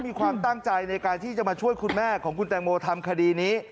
มีความตั้งใจในการที่จะมาช่วยคุณแม่ของคุณแตงโมทำคดีนี้